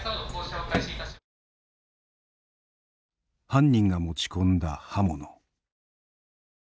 犯人が持ち込んだ刃物。